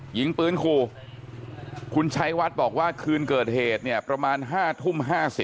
ยิงปืนขู่คุณชัยวัดบอกว่าคืนเกิดเหตุเนี่ยประมาณ๕ทุ่ม๕๐